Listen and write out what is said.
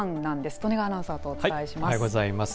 利根川アナウンサーとお伝えします。